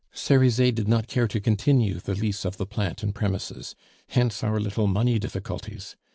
"Cerizet did not care to continue the lease of the plant and premises, hence our little money difficulties.